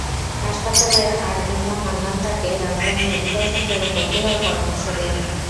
হাসপাতালের আরএমও হান্নান তাঁকে রাজবাড়ী মেডিকেল সেন্টারে ভর্তি হওয়ার পরামর্শ দেন।